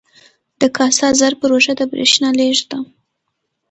د کاسا زر پروژه د بریښنا لیږد ده